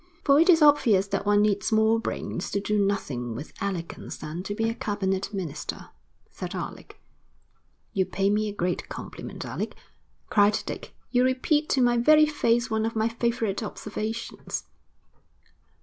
'For it is obvious that one needs more brains to do nothing with elegance than to be a cabinet minister,' said Alec. 'You pay me a great compliment, Alec,' cried Dick. 'You repeat to my very face one of my favourite observations.'